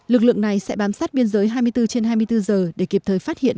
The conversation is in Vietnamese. lực lượng này sẽ bám sát biên giới hai mươi bốn trên hai mươi bốn giờ để kịp thời phát hiện